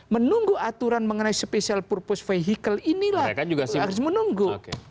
menunggu aturan mengenai spv ini harus menunggu